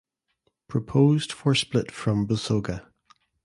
Proposed for split from Busoga.